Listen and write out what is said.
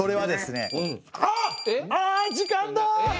あっああ時間だ。